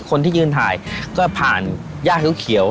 คนที่ยืนถ่ายก็ผ่านย่าเขียว